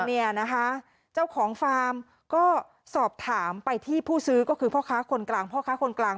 เนี่ยนะคะเจ้าของฟาร์มก็สอบถามไปที่ผู้ซื้อก็คือพ่อค้าคนกลาง